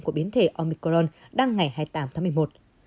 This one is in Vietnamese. của biến thể omicron đang ngày hai mươi tám tháng một mươi một